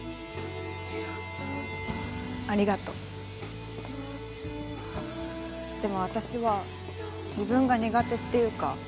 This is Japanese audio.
ありがとうでも私は自分が苦手っていうか